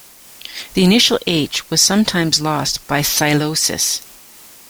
The initial "h" was sometimes lost by psilosis.